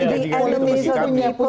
kalau itu tidak ada